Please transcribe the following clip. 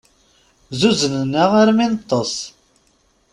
Zzuzznen-aɣ armi i neṭṭes.